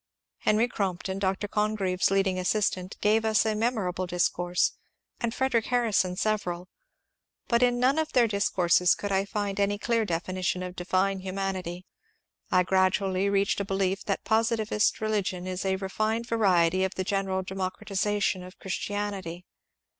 Henry Crompton, Dr. Congreve's leading assistant, gave us a memorable discourse, and Fred eric Harrison several. But in none of their discourses could I find any clear definition of .divii^e Humanity. I gradually reached a belief that positivist religion is a refined variety of the general democratization of Christianity.